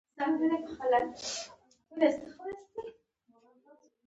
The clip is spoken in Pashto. ایا ستاسو هیلې ژوندۍ نه دي؟